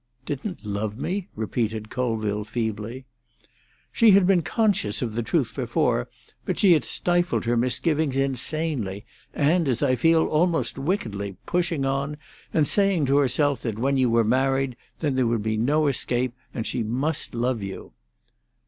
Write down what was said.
"Didn't love me?" repeated Colville feebly. "She had been conscious of the truth before, but she had stifled her misgivings insanely, and, as I feel, almost wickedly, pushing on, and saying to herself that when you were married, then there would be no escape, and she must love you."